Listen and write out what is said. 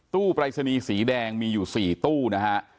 ตู้ปลายศนีสีแดงมีอยู่๔ตู้นะครับ